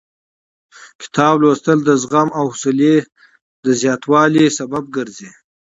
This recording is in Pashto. کتاب لوستل د زغم او حوصلې د زیاتوالي لامل ګرځي.